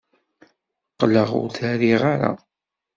Qqleɣ ur t-riɣ ara.